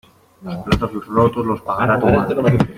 Los platos rotos los pagará tu madre.